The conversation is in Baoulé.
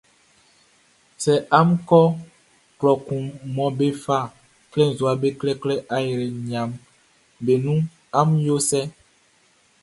Sɛ amun kɔ klɔ kun mɔ be fa klenzua be kpɛkpɛ ayre nɲaʼm be nunʼn, amun yo cɛ.